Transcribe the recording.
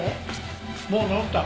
もう治った。